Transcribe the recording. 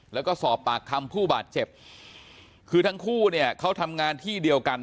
แล้วก็สอบปากคำผู้บาดเจ็บคือทั้งคู่เนี่ยเขาทำงานที่เดียวกัน